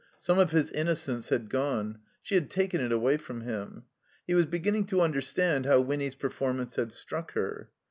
Some of his innocence had gone. She had taken it away from him. He was beginning to understand how Winny's perform ance had struck her.